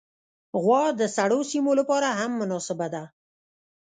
غوا د سړو سیمو لپاره هم مناسبه ده.